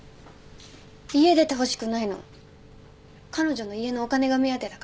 家出てほしくないの彼女の家のお金が目当てだから？